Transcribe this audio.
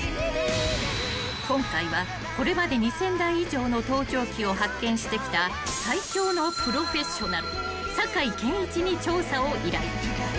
［今回はこれまで２，０００台以上の盗聴器を発見してきた最強のプロフェッショナル酒井賢一に調査を依頼］